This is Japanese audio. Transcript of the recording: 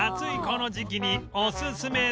この時期におすすめです